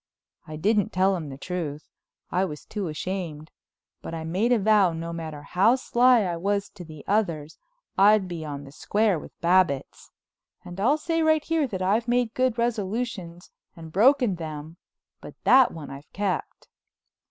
I didn't tell him the truth—I was too ashamed—but I made a vow no matter how sly I was to the others I'd be on the square with Babbitts. And I'll say right here that I've made good resolutions and broken them, but that one I've kept.